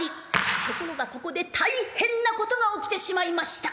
ところがここで大変なことが起きてしまいました。